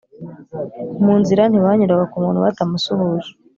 Mu nzira, ntibanyuraga ku muntu batamusuhuje.